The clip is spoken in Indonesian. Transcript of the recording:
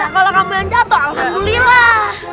kalau kamu yang jatuh alhamdulillah